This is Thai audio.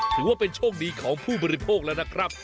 ถือว่าเป็นโชคดีของผู้บริโภคแล้วนะครับ